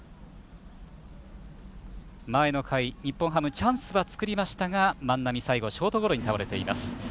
前の回、日本ハムチャンスは作りましたが万波、最後、ショートゴロに倒れています。